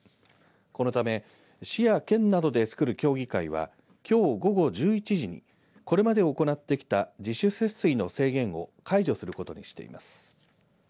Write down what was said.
このため市や県などで作る協議会はきょう午後１１時にこれまで行ってきた自主節水の制限を解除することにしています。